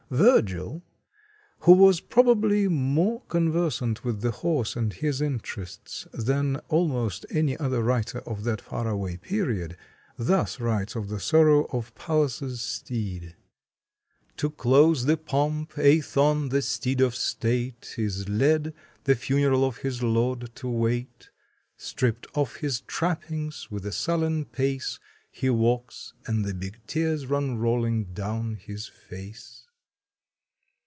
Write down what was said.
Virgil, who was probably more conversant with the horse and his interests than almost any other writer of that faraway period, thus writes of the sorrow of Pallas' steed: To close the pomp, Aethon, the steed of state, Is led, the funeral of his lord to wait; Stripp'd of his trappings, with a sullen pace He walks, and the big tears run rolling down his face.